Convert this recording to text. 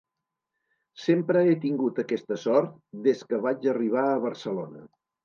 Sempre he tingut aquesta sort des que vaig arribar a Barcelona.